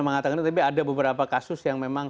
mengatakan tapi ada beberapa kasus yang memang